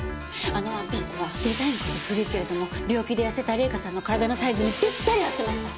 あのワンピースはデザインこそ古いけれども病気で痩せた玲香さんの体のサイズにぴったり合ってました。